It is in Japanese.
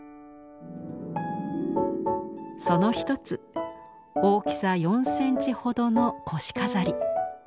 その一つ大きさ４センチほどの腰飾り。